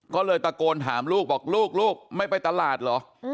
ก็เลยตะโกนถามลูกบอกลูกลูกไม่ไปตลาดเหรอ